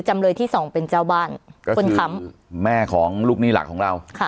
จำเลยที่สองเป็นเจ้าบ้านคนค้ำแม่ของลูกหนี้หลักของเราค่ะ